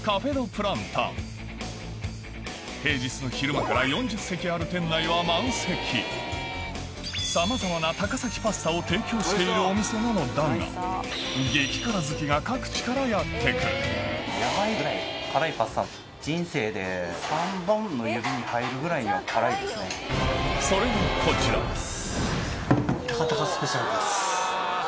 こちらは４０席ある店内はさまざまな高崎パスタを提供しているお店なのだが激辛好きが各地からやって来るそれがこちら高高スペシャルです。